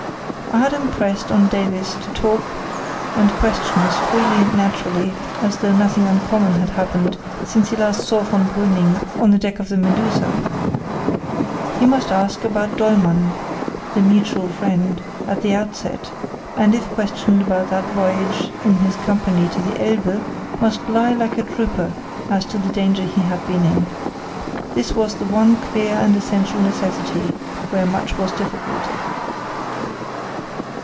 I had impressed on Davies to talk and question as freely and naturally as though nothing uncommon had happened since he last saw von Brüning on the deck of the Medusa. He must ask about Dollmann—the mutual friend—at the outset, and, if questioned about that voyage in his company to the Elbe, must lie like a trooper as to the danger he had been in. This was the one clear and essential necessity, where much was difficult.